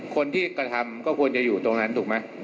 คนที่กระทำก็ควรจะอยู่ตรงนั้นถูกไหม